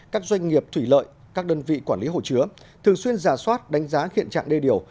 các doanh nghiệp thủy lợi các đơn vị quản lý hồ chứa thường xuyên giả soát đánh giá hiện trạng đê điều